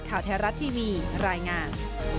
ข่าวไทยรัฐทีวีรายงาน